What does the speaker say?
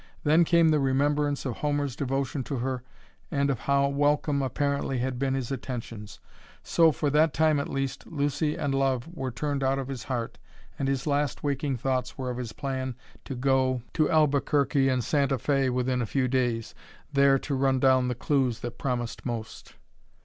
Then came the remembrance of Homer's devotion to her and of how welcome, apparently, had been his attentions. So, for that time at least, Lucy and love were turned out of his heart and his last waking thoughts were of his plan to go to Albuquerque and Santa Fe within a few days, there to run down the clews that promised most.